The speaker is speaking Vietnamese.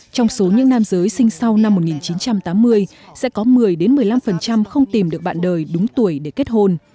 trong số những nam giới sinh sau năm một nghìn chín trăm tám mươi sẽ có một mươi một mươi năm không tìm được bạn đời đúng tuổi để kết hôn